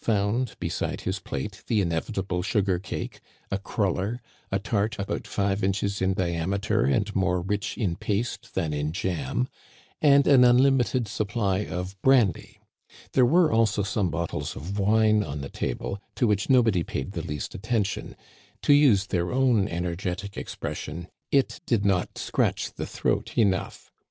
found beside his plate the inevitable sugar cake, a crul ler, a tart about five inches in diameter and more rich in paste than in jam, and an unlimited supply of brandy. There were also some bottles of wine on the table, to which nobody paid the least attention ; to use their own energetic expression, it did not "scratch the throat enough.